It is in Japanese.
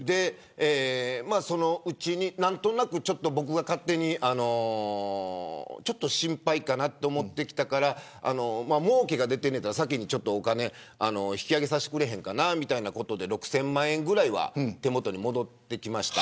そのうちに何となく僕が勝手にちょっと心配かなと思ってきたからもうけが出ているなら先にお金を引き上げさせてくれへんかということで６０００万円ぐらいは手元に戻ってきました。